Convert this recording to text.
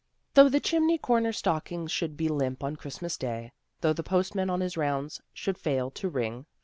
" Though the chimney corner stockings should be limp on Christmas day, Though the postman on his rounds should fail to ring.